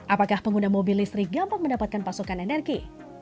apakah pengguna mobil listrik gampang mendapatkan pasokan energi